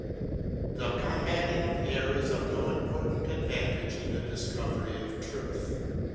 The combating of error is of no important advantage in the discovery of truth.